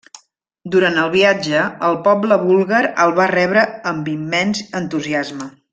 Durant el viatge el poble búlgar el va rebre amb immens entusiasme.